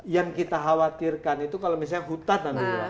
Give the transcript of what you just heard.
yang kita khawatirkan itu kalau misalnya hutan nanti ya